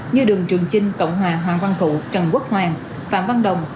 như đường trường chinh cộng hòa hoàng văn thụ trần quốc hoàng phạm văn đồng